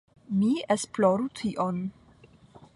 mi esploru tion.